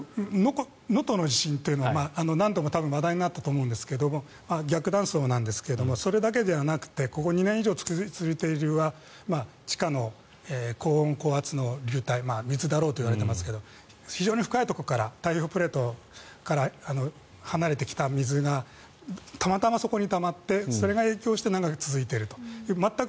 能登の地震は何度も話題になったと思うんですが逆断層なんですがそれだけではなくてここ２年以上続いている地下の高温高圧の流体水だろうといわれていますが非常に深いところから太平洋プレートから離れてきた水がたまたまそこにたまってそれが影響して長く続いていると。